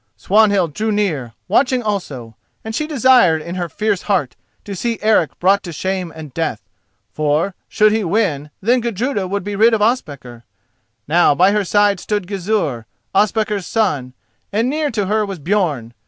Swanhild drew near, watching also, and she desired in her fierce heart to see Eric brought to shame and death, for, should he win, then Gudruda would be rid of Ospakar. Now by her side stood Gizur, Ospakar's son, and near to her was Björn.